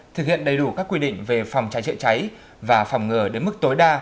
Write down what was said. thực hiện đầy đủ các quy định về phòng cháy chữa cháy và phòng ngừa đến mức tối đa